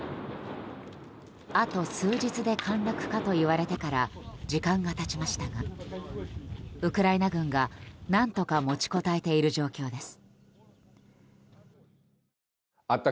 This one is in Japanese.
あと数日で陥落かと言われてから時間が経ちましたがウクライナ軍が何とか持ちこたえている状況です。